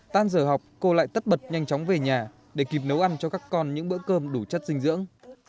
tan giờ học cô lại tất bật nhanh chóng về nhà để kịp nấu ăn cho các con những bữa cơm đủ chất dinh dưỡng